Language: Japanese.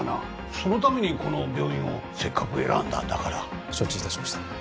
そのためにこの病院をせっかく選んだんだから承知いたしました